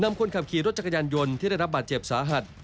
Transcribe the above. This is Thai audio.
คนขับขี่รถจักรยานยนต์ที่ได้รับบาดเจ็บสาหัส